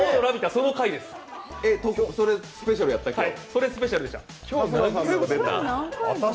それスペシャルでした。